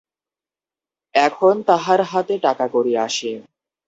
এখন তাহার হাতে টাকাকড়ি আসে।